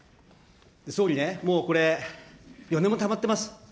総理ね、もうこれ、４年もたまってます。